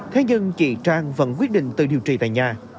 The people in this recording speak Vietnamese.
thế nhưng chị trang vẫn quyết định tự điều trị tại nhà